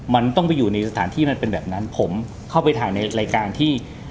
มันต้องไปอยู่ในสถานที่มันเป็นแบบนั้นผมเข้าไปถ่ายในรายการที่